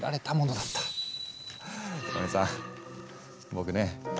僕ね